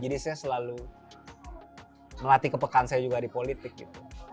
jadi saya selalu ngelatih kepekaan saya juga di politik gitu